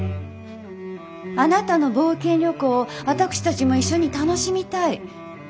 あなたの冒険旅行を私たちも一緒に楽しみたい。